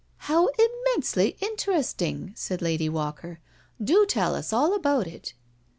" How inmiensely interesting/' said Lady Walker; " do tell us all about it.